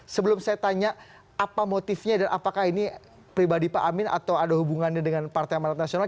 sebelum saya tanya apa motifnya dan apakah ini pribadi pak amin atau ada hubungannya dengan partai amarat nasional